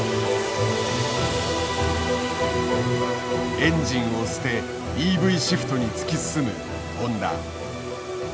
エンジンを捨てＥＶシフトに突き進むホンダ。